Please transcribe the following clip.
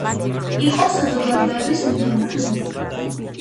იყო საზოგადოების მდივანი.